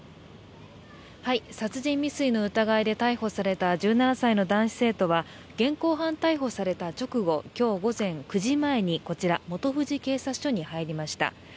殺人未遂の疑いで逮捕された１７歳の男子生徒は現行犯逮捕された直後、今日午前９時前にこちら、本富士警察署に入りました。